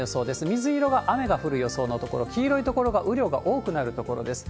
水色が雨が降る予想の所、黄色い所が雨量が多くなる所です。